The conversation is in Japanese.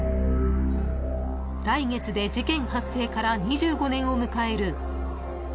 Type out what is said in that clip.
［来月で事件発生から２５年を迎える］